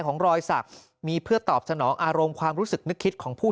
ของรอยสักมีเพื่อตอบสนองอารมณ์ความรู้สึกนึกคิดของผู้